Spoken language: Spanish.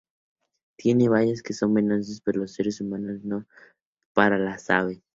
Tiene bayas, que son venenosas para los seres humanos, pero no para las aves.